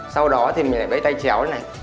sau đó thì mình lại vẫy tay chéo